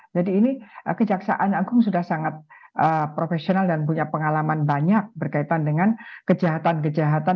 jadi ini kejaksaan agung sudah sangat profesional dan punya pengalaman banyak berkaitan dengan kejahatan kejahatan